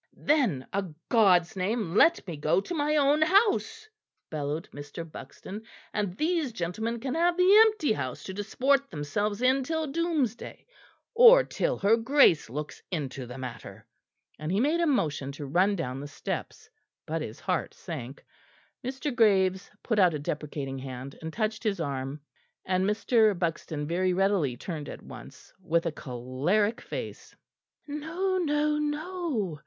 "Then, a God's name, let me go to my own house," bellowed Mr. Buxton, "and these gentlemen can have the empty house to disport themselves in till doomsday or till her Grace looks into the matter"; and he made a motion to run down the steps, but his heart sank. Mr. Graves put out a deprecating hand and touched his arm; and Mr. Buxton very readily turned at once with a choleric face! "No, no, no!"